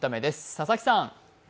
佐々木さん。